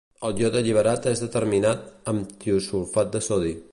El iode alliberat és determinat amb tiosulfat de sodi.